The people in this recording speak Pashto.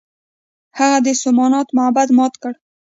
هغه د سومنات معبد مات کړ.